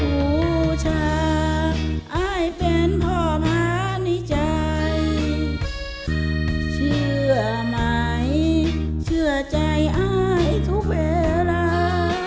หูช้างอายเป็นพ่อม้าในใจเชื่อไหนเชื่อใจอ้ายทุกเวลา